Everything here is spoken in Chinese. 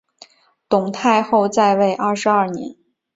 董太后在位二十二年。